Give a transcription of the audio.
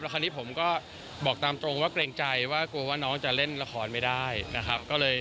คราวนี้ผมก็บอกตามตรงว่าเกรงใจว่ากลัวว่าน้องจะเล่นละครไม่ได้นะครับ